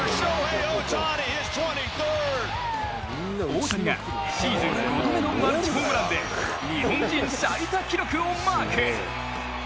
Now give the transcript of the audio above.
大谷がシーズン５度目のマルチホームランで日本人最多記録をマーク。